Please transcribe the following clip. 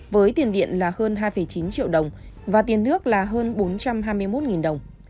với tiền điện là hơn hai chín triệu đồng và tiền nước là hơn bốn trăm hai mươi một đồng